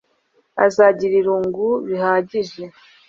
azagira irungu bihagije